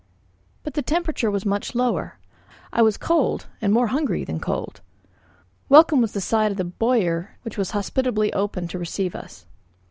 But the temperature was much lower. I was cold and more hungry than cold. Welcome was the sight of the boër which was hospitably opened to receive us.